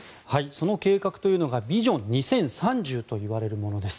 その計画というのがビジョン２０３０といわれるものです。